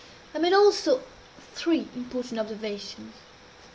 I made, also, three important observations.